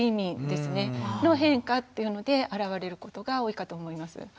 の変化っていうのであらわれることが多いかと思います。